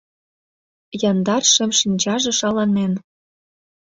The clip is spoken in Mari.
Яндар шем шинчаже шаланен.